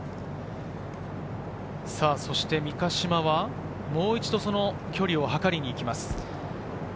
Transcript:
そして三ヶ島はもう一度、距離を測りに行きます。